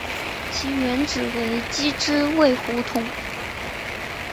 其原址为机织卫胡同。